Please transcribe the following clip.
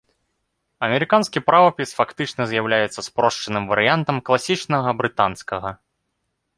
Амерыканскі правапіс фактычна з'яўляецца спрошчаным варыянтам класічнага брытанскага.